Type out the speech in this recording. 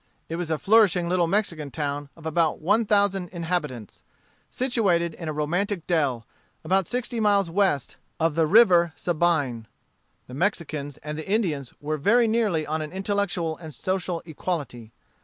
It was a flourishing little Mexican town of about one thousand inhabitants, situated in a romantic dell, about sixty miles west of the River Sabine. The Mexicans and the Indians were very nearly on an intellectual and social equality.